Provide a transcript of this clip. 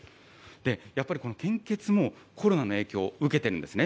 やっぱりこの献血も、コロナの影響受けているんですね。